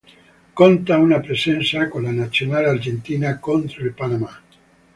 Conta una presenza con la Nazionale argentina contro il Panama.